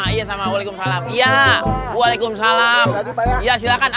kamu yang tadi nyuri sepatu kan